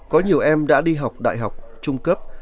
có nhiều em đã đi học đại học trung cấp